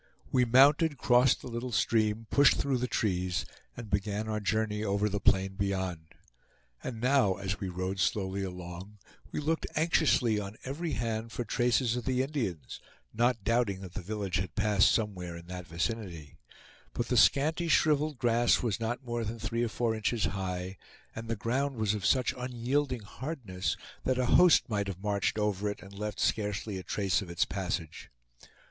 We mounted, crossed the little stream, pushed through the trees, and began our journey over the plain beyond. And now, as we rode slowly along, we looked anxiously on every hand for traces of the Indians, not doubting that the village had passed somewhere in that vicinity; but the scanty shriveled grass was not more than three or four inches high, and the ground was of such unyielding hardness that a host might have marched over it and left scarcely a trace of its passage.